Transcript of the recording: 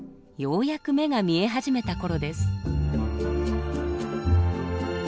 ようやく目が見え始めた頃です。